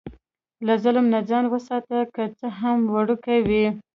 له ظلم نه ځان وساته، که څه هم وړوکی وي.